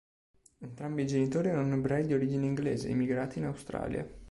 Entrambi i genitori erano ebrei di origine inglese, emigrati in Australia.